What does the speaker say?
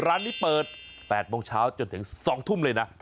ร้านนี้เปิด๘โมงเช้าจนถึง๒ทุ่มเลยนะ